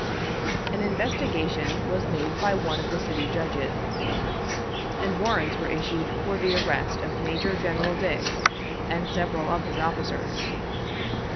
An investigation was made by one of the city judges, and warrants were issued for the arrest of Major General Dix and several of his officers.